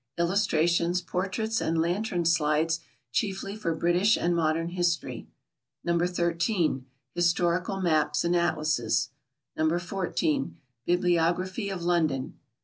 Illustrations, Portraits and Lantern Slides Chiefly for British and Modern History. No. 13. Historical Maps and Atlases. No. 14. Bibliography of London.